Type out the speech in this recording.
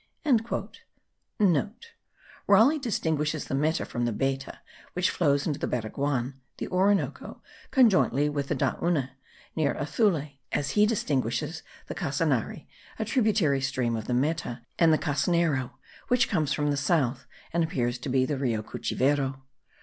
(* Raleigh distinguishes the Meta from the Beta, which flows into the Baraguan (the Orinoco) conjointly with the Daune, near Athule; as he distinguishes the Casanare, a tributary stream of the Meta, and the Casnero, which comes from the south, and appears to be the Rio Cuchivero.